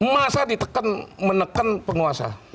masa ditekan menekan penguasa